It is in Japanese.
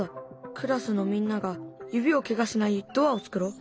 クラスのみんなが指をケガしないドアを作ろう。